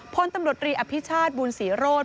พลตำรวจรีอภิชาติบุญศรีโรธ